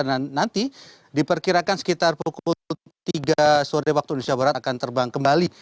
dan nanti diperkirakan sekitar pukul tiga sore waktu indonesia barat akan terbang kembali